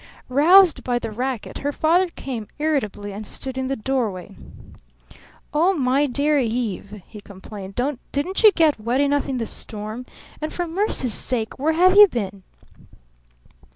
Roused by the racket, her father came irritably and stood in the doorway. "Oh, my dear Eve!" he complained, "didn't you get wet enough in the storm? And for mercy's sake where have you been?"